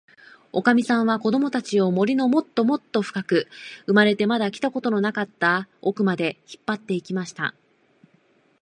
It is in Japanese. おかみさんは、こどもたちを、森のもっともっとふかく、生まれてまだ来たことのなかったおくまで、引っぱって行きました。